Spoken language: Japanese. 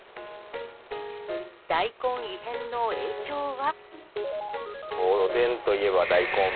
大根異変の影響は。